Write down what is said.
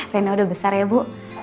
rena udah besar ya bu